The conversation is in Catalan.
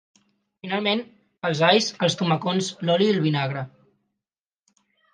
Finalment, els alls, els tomacons, l’oli i el vinagre.